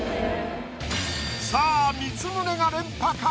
さぁ光宗が連覇か？